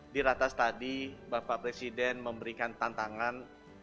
di ratas tadi bapak presiden memberikan tantangan